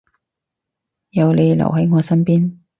有你留喺我身邊